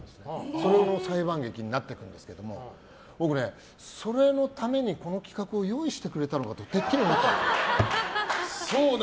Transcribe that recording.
それの裁判劇になるんですけど僕ね、それのためにこの企画を用意してくれたのかとてっきり思ったんです。